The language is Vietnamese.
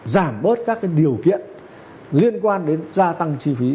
giảm bớt các điều kiện liên quan đến gia tăng chi phí